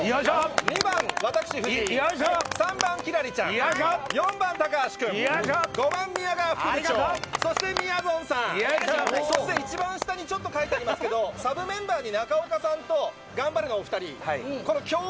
２番、私、藤井、３番、輝星ちゃん、４番、高橋君、５番、宮川副部長、そして、みやぞんさん、そして、一番下にちょっと書いてありますけど、サブメンバーに中岡さんとがんばれるーやのお２人。